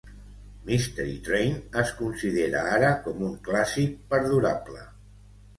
"Mystery Train"es considera ara com un "clàssic perdurable".